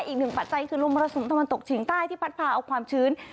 ปัจจัยคือลมมรสุมตะวันตกเฉียงใต้ที่พัดพาเอาความชื้น